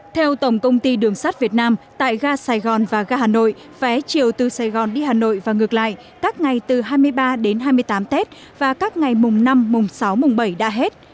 theo tổng công ty đường sắt việt nam tại ga sài gòn và ga hà nội vé chiều từ sài gòn đi hà nội và ngược lại các ngày từ hai mươi ba đến hai mươi tám tết và các ngày mùng năm mùng sáu mùng bảy đã hết